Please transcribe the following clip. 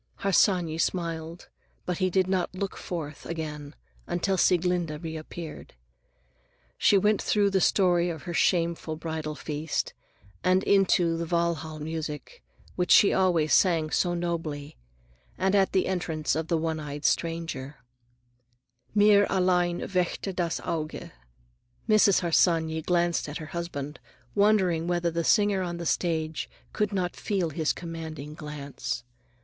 Harsanyi smiled, but he did not look forth again until Sieglinde reappeared. She went through the story of her shameful bridal feast and into the Walhall' music, which she always sang so nobly, and the entrance of the one eyed stranger:— "Mir allein Weckte das Auge." Mrs. Harsanyi glanced at her husband, wondering whether the singer on the stage could not feel his commanding glance.